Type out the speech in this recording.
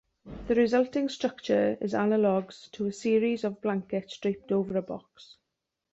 The resulting structure is analogous to a series of blankets draped over a box.